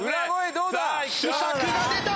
秘策が出た！